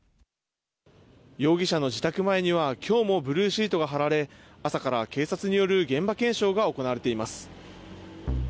容疑者の自宅前には今日もブルーシートが張られ朝から警察による現場検証が行われています。